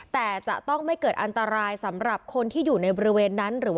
แต่จะต้องไม่เกิดอันตรายสำหรับคนที่อยู่ในบริเวณนั้นหรือว่า